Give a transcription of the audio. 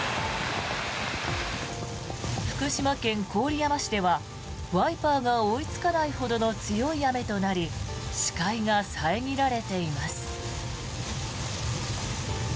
福島県郡山市ではワイパーが追いつかないほどの強い雨となり視界が遮られています。